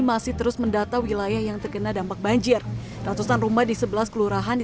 masih terus mendata wilayah yang terkena dampak banjir ratusan rumah di sebelah kelurahan di